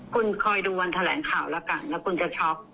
คุณคอยดูวันแถลงข่าวแล้วกันแล้วคุณจะช็อก